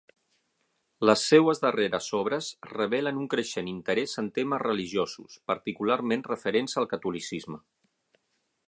Les seues darreres obres revelen un creixent interès en temes religiosos, particularment referents al catolicisme.